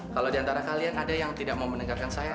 kalau diantara kalian ada yang tidak mau mendengarkan saya